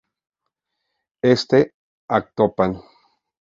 Este: Actopan.